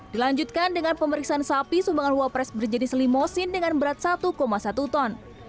dilanjutkan dengan pemeriksaan sapi sumbangan wapres berjenis limosin dengan berat satu satu ton